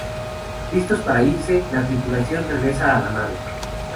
Listos para irse, la tripulación regresa a la nave.